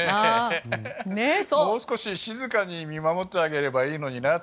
もう少し静かに見守ってあげたらいいのにと。